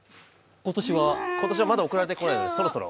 今年はまだ送られてこないのでそろそろ。